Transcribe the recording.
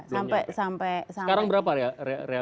sampai sekarang berapa realisasinya